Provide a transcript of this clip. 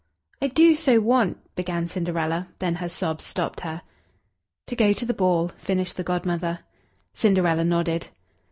"I do so want " began Cinderella; then her sobs stopped her. "To go to the ball," finished the Godmother. Cinderella nodded.